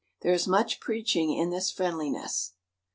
There is much preaching in this friendliness.